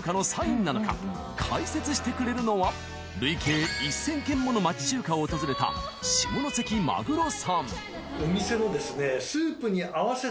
［解説してくれるのは累計１，０００軒もの町中華を訪れた下関マグロさん］